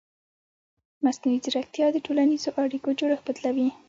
مصنوعي ځیرکتیا د ټولنیزو اړیکو جوړښت بدلوي.